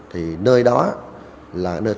thì nơi đó